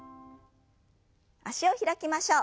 脚を開きましょう。